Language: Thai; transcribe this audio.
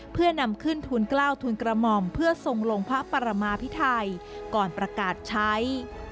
เพื่อนำขึ้นทุนกล้าวทุนกระหม่อมเพื่อทรงลงพระปรมาพิไทยก่อนประกาศใช้